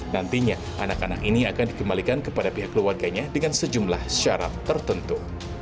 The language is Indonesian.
nantinya anak anak ini akan dikembalikan kepada pihak keluarganya dengan sejumlah syarat tertentu